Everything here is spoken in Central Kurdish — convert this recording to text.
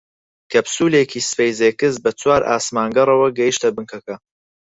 کەپسوولێکی سپەیس ئێکس بە چوار ئاسمانگەڕەوە گەیشتە بنکەکە